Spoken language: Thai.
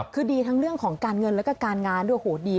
คือดีทั้งเรื่องของการเงินและการงานด้วย